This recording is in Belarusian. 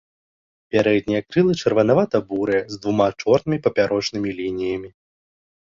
Пярэднія крылы чырванавата-бурыя, з двума чорнымі папярочнымі лініямі.